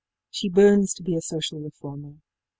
She burns to be a social reformer.